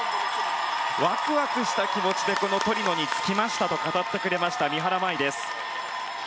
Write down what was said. ワクワクした気持ちでトリノに着きましたと語ってくれました三原舞依です。